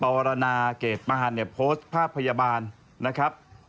ปรณาเกรดป่านโพสต์ภาพพยาบาลนะครับ